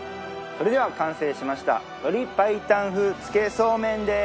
それでは完成しました。